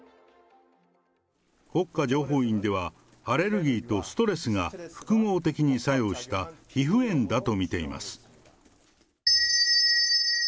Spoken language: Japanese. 国家情報院では、アレルギーとストレスが複合的に作用した皮膚炎だと見ています。